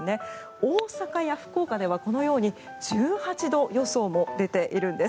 大阪や福岡ではこのように１８度予想も出ているんです。